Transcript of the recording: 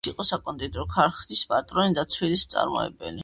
მამამისი იყო საკონდიტრო ქარხნის პატრონი და ცვილის მწარმოებელი.